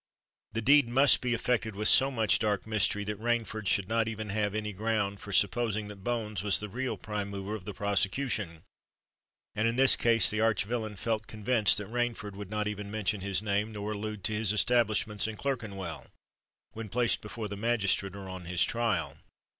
The deed must be effected with so much dark mystery that Rainford should not even have any ground for supposing that Bones was the real prime mover of the prosecution; and in this case the arch villain felt convinced that Rainford would not even mention his name nor allude to his establishments in Clerkenwell, when placed before the magistrate or on his trial.